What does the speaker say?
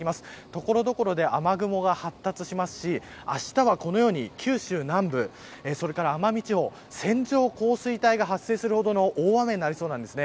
所々で雨雲が発達しますしあしたは、このように九州南部それから奄美地方線状降水帯が発生するほどの大雨になりそうです。